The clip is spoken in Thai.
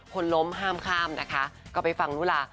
คนล้มห้ามข้ามนะคะก็ไปฟังนุลา